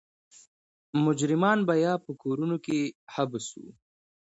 مجرمان به یا په کورونو کې حبس وو.